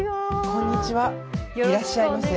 こんにちはいらっしゃいませ。